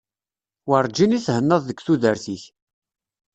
Werǧin i thennaḍ deg tudert-ik.